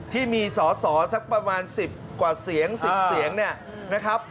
ที่มีสอสอสักประมาณ๑๐กว่าเสียง๑๐เสียงเนี่ยนะครับ